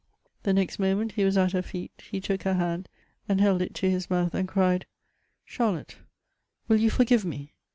The next moment he was at her feet : he took her hand, and held it to his mouth, and cried, " Charlotte, will you forgive me